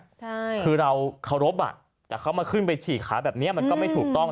ใช่คือเราเคารพอ่ะแต่เขามาขึ้นไปฉี่ขาแบบเนี้ยมันก็ไม่ถูกต้อง